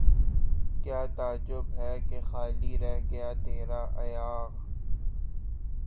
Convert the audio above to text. کیا تعجب ہے کہ خالی رہ گیا تیرا ایاغ